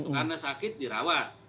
karena sakit dirawat